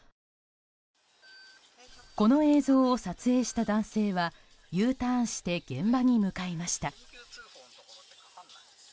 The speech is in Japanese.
この映像を撮影した男性はＵターンして現場に向かいました。